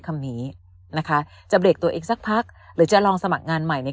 คำนี้นะคะจะเบรกตัวเองสักพักหรือจะลองสมัครงานใหม่ใน